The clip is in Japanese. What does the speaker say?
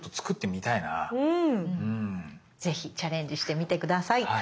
ぜひチャレンジしてみて下さい。